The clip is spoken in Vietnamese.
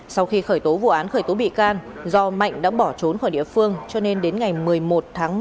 sau khi khởi tố vụ án khởi tố bị can do mạnh đã bỏ trốn khỏi địa phương cho nên đến ngày một mươi một tháng một năm hai nghìn hai mươi một